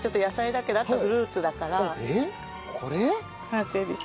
完成です。